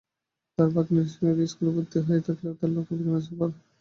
তাঁর ভাগনি national ideal স্কুলে ভর্তি থাকলেও তাঁদের লক্ষ্য ভিকারুননিসায় পড়া।